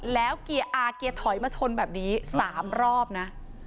แล้วเกียร์อาเกียร์ถอยมาชนแบบนี้๓รอบนะ